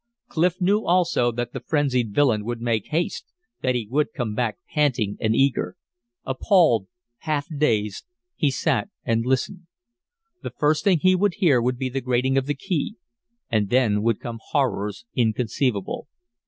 Clif knew also that the frenzied villain would make haste, that he would come back panting and eager. Appalled, half dazed, he sat and listened. The first thing he would hear would be the grating of the key; and then would come horrors inconceivable.